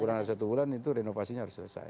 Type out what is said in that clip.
kurang dari satu bulan itu renovasinya harus selesai